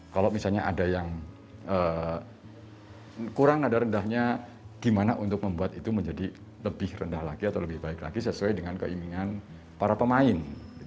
kalau misalnya ada yang kurang nada rendahnya gimana untuk membuat itu menjadi lebih rendah lagi atau lebih baik lagi sesuai dengan keinginan para pemain